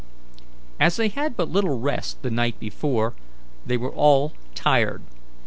As they had but little rest the night before, they were all tired.